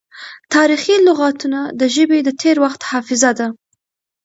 تاریخي لغتونه د ژبې د تیر وخت حافظه ده.